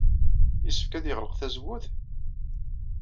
Yessefk ad yeɣleq tazewwut?